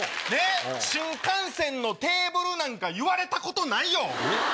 新幹線のテーブルなんか言われたことないよ！